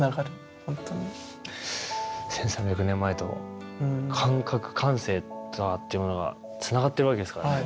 １，３００年前と感覚感性っていうものがつながってるわけですからね。